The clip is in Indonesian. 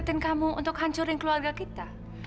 dia yang dekatin kamu untuk hancurin keluarga kita